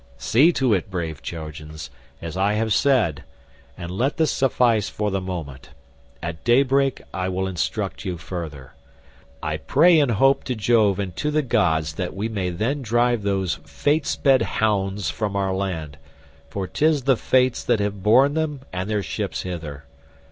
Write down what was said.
See to it, brave Trojans, as I have said, and let this suffice for the moment; at daybreak I will instruct you further. I pray in hope to Jove and to the gods that we may then drive those fate sped hounds from our land, for 'tis the fates that have borne them and their ships hither.